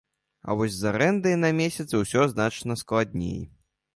А вось з арэндай на месяц усё значна складаней.